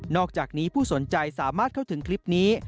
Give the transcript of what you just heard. อกจากนี้ผู้สนใจสามารถเข้าถึงคลิปนี้